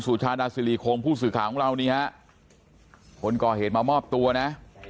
สุชาดาสิริคงผู้สื่อข่าวของเรานี่ฮะคนก่อเหตุมามอบตัวนะ